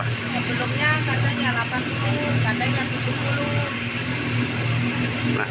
sebelumnya katanya rp delapan puluh katanya rp tujuh puluh